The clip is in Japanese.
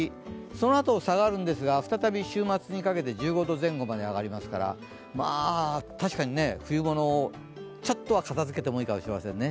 そのあと下がるんですが、再び週末にかけて１５度前後まで上がりますから確かに冬物をちょっとは片づけてもいいかもしれませんね。